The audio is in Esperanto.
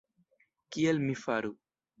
Kiel mi faru!